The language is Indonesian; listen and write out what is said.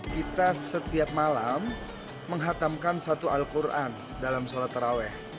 kita setiap malam mengatamkan satu al quran dalam salat rawi